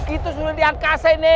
itu dulu di angkasa ini